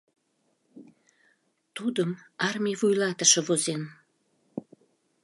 Тудым армий вуйлатыше возен!